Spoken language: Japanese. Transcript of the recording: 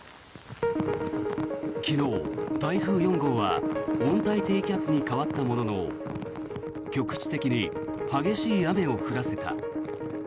昨日、台風４号は温帯低気圧に変わったものの局地的に激しい雨を降らせた。